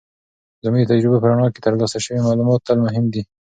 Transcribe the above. زموږ د تجربو په رڼا کې، ترلاسه شوي معلومات تل مهم دي.